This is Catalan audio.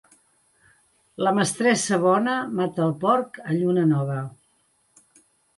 La mestressa bona mata el porc en lluna nova.